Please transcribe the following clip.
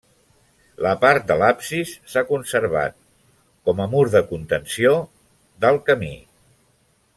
La part de l'absis s'ha conservat per com a mur de contenció del camí.